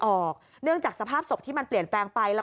ออกจากสภาพศพที่มันเปลี่ยนแปลงไปแล้ว